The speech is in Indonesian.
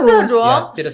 tidak sekedar bangga